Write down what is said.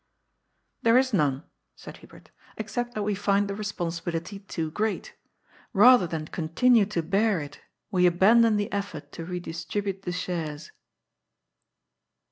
^ There is none," said Hubert, ^ except that we find the responsibility too great Bather than continue to bear it, we abandon the effort to redistribute the shares."